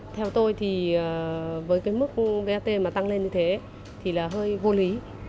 theo tôi thì với cái mức gat mà tăng lên như thế thì là hơi vô lý